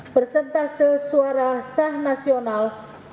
persentase suara sah nasional